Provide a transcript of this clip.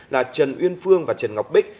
là trần uyên phương và trần ngọc bích